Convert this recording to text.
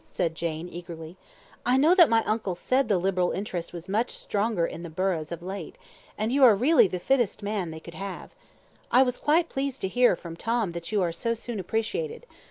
said Jane, eagerly. 'I know that my uncle said the Liberal interest was much stronger in the burghs of late, and you are really the fittest man they could have. I was quite pleased to hear from Tom that you are so soon appreciated.